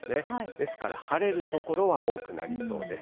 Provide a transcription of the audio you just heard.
ですから晴れる所は多くなりそうです。